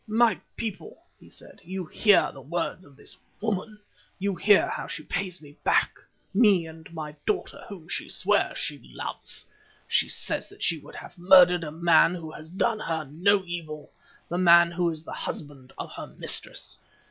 "My people," he said, "you hear the words of this woman. You hear how she pays me back, me and my daughter whom she swears she loves. She says that she would have murdered a man who has done her no evil, the man who is the husband of her mistress.